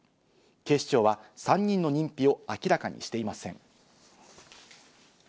警視庁は３人の認否を明らかにしていません。